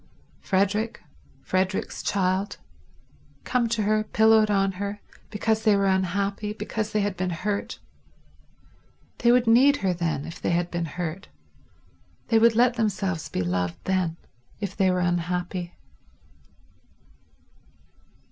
Frederick, Frederick's child—come to her, pillowed on her, because they were unhappy, because they had been hurt. .. They would need her then, if they had been hurt; they would let themselves be loved then, if they were unhappy.